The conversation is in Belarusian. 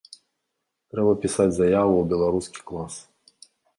Трэба пісаць заяву ў беларускі клас.